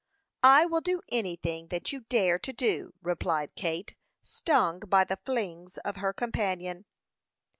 "I will do anything that you dare to do," replied Kate, stung by the flings of her companion.